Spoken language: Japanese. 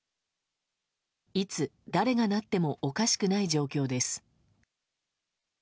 いつ、誰がなってもおかしくない状況です。